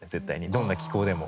どんな気候でも。